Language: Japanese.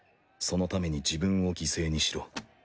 そのために自分を犠牲にしろ。